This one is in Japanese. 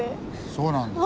そうなんです。